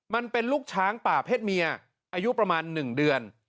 มันเป็นลูกช้างป่าเพศเมียอายุประมาณ๑เดือน